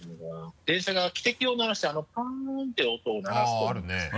電車が汽笛を鳴らしてあの「パァン」って音を鳴らすとですね。